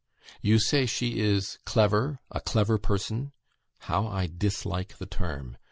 You say she is 'clever' 'a clever person.' How I dislike the term!